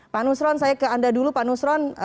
pak nusron saya ke anda dulu pak nusron